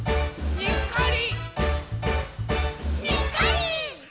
「にっこり！」